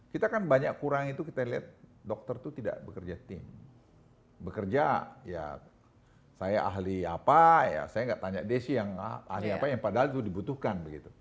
kita kan banyak kurang itu kita lihat dokter itu tidak bekerja tim bekerja ya saya ahli apa ya saya nggak tanya desi yang ahli apa yang padahal itu dibutuhkan begitu